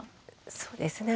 そうですね。